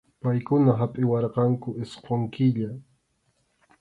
Paykuna hapʼiwarqanku isqun killa.